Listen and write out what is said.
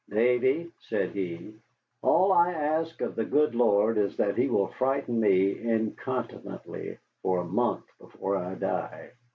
"Davy," said he, "all I ask of the good Lord is that He will frighten me incontinently for a month before I die."